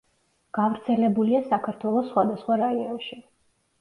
გავრცელებულია საქართველოს სხვადასხვა რაიონში.